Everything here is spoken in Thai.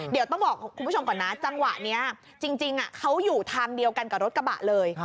เดี๋ยวต้องบอกคุณผู้ชมก่อนนะจังหวะนี้จริงเขาอยู่ทางเดียวกันกับรถกระบะเลย